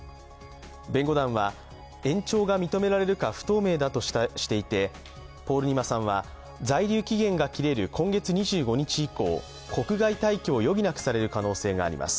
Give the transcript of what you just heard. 弁護団は延長が認められるか不透明だとしていて、ポールニマさんは、在留期限が切れる今月２５日以降国外退去を余儀なくされる可能性があります。